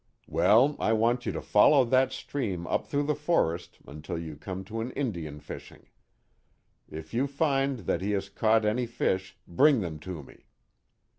Well, I want you to follow that stream up through the forest until you come to an Indian fishing. If you find that he has caught any fish, bring them to me."